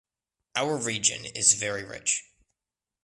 Our region is very rich.